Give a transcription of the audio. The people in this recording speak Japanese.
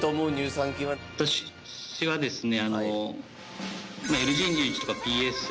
私はですね。